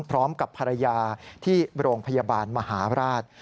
พร้อมกับภรรยาที่โรงพยาบาลมหาราช